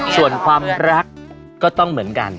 ส่วนความรักก็ต้องเหมือนกัน